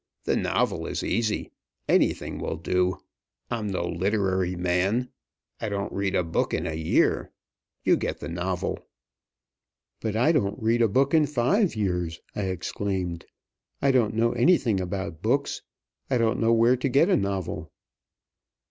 The novel is easy. Anything will do. I'm no literary man. I don't read a book in a year. You get the novel." "But I don't read a book in five years!" I exclaimed. "I don't know anything about books. I don't know where to get a novel."